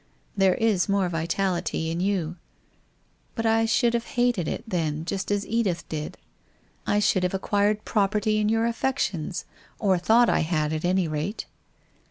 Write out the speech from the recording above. There is more vi tality in you. But I should have hated it, then, just as Edith did. I should have acquired property in your affec tions, or thought I had at any rate.